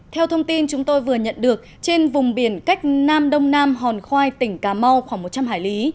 theo thông tin chúng tôi vừa nhận được trên vùng biển cách nam đông nam hòn khoai tỉnh cà mau khoảng một trăm linh hải lý